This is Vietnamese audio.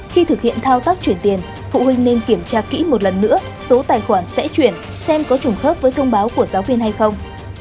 khi thực hiện thao tác chuyển tiền phụ huynh nên kiểm tra kỹ một lần nữa số tài khoản sẽ chuyển xem có trùng khớp với thông báo của giáo viên hay không